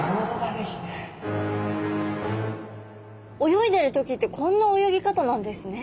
泳いでる時ってこんな泳ぎ方なんですね。